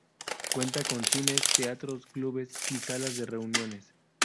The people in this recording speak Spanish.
Cuenta con cines, teatros, clubes y salas de reuniones.